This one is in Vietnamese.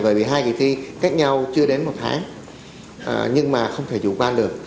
bởi vì hai kỳ thi khác nhau chưa đến một tháng nhưng mà không thể chủ quan được